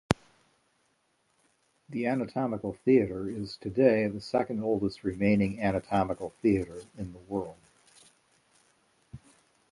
The anatomical theatre is today the second oldest remaining anatomical theatre in the world.